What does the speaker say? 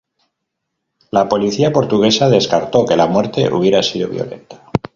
La policía portuguesa descartó que la muerte hubiera sido violenta.